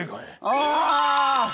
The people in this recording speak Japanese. ああ！